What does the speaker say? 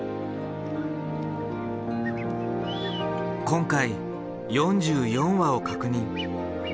今回４４羽を確認。